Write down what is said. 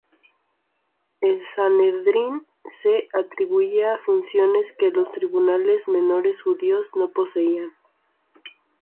El Sanedrín se atribuía funciones que los tribunales menores judíos no poseían.